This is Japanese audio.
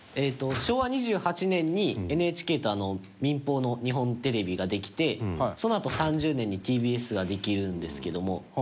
昭和２８年に、ＮＨＫと民放の日本テレビができてそのあと、３０年にＴＢＳができるんですけども。